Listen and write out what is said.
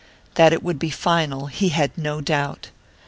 That it would be final he had no doubt.